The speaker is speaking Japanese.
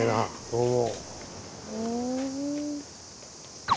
どうも。